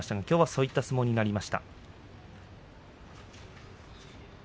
きょうはそういう相撲になりました。